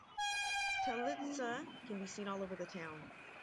Ptylitza can be seen all over the town.